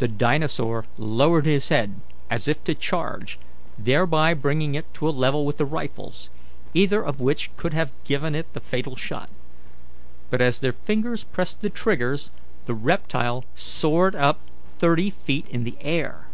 The dinosaur lowered his head as if to charge, thereby bringing it to a level with the rifles, either of which could have given it the fatal shot. But as their fingers pressed the triggers the reptile soared up thirty feet in the air.